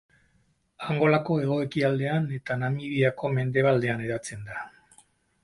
Angolako hego-ekialdean eta Namibiako mendebaldean hedatzen da.